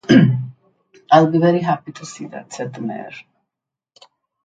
"I will be very happy to see that," said the mayor.